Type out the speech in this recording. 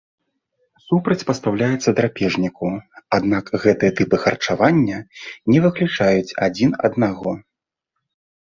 Супрацьпастаўляецца драпежніку, аднак гэтыя тыпы харчавання не выключаюць адзін аднаго.